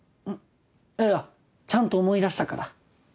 いやいやちゃんと思い出したから。